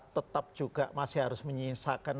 tetap juga masih harus menyisakan